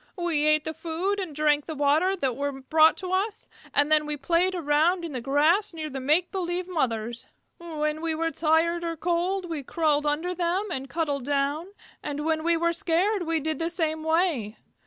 We ate the food and drank the water that were brought to us, and then we played around in the grass near the make believe mothers. When we were tired or cold we crawled under them and cuddled down, and when we were scared we did the same way.